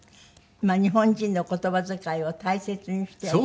日本人の言葉遣いを大切にしてっていう事ですね。